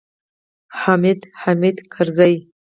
حامده! حامد کرزیه!